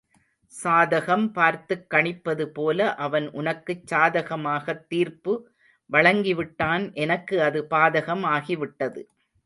சாதகம் பார்த்துக் கணிப்பது போல அவன் உனக்குச் சாதகமாகத் தீர்ப்பு வழங்கி விட்டான் எனக்கு அது பாதகம் ஆகிவிட்டது.